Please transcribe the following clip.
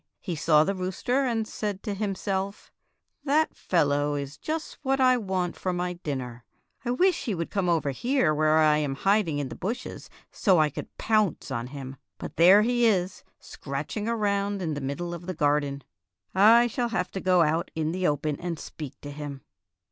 He saw the rooster and said to himself, "That fellow is just what I want for my dinner. I wish he would come over here where I am hiding in the bushes so I could pounce on him. But there he is scratching around in the middle of the gar den. I shall have to go out in the open and speak to him."